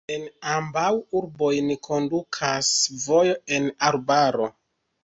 En ambaŭ urbojn kondukas vojo en arbaro.